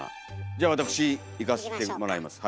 じゃあ私いかせてもらいます。